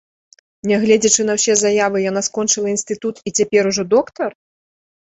Нягледзячы на ўсе заявы, яна скончыла інстытут і цяпер ужо доктар?